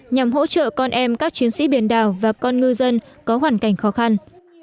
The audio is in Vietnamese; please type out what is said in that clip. nhằm hỗ trợ con em các chiến sĩ biển đảo và con ngư dân có hoàn cảnh khó khăn